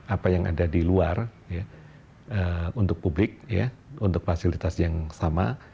apa yang ada di luar untuk publik untuk fasilitas yang sama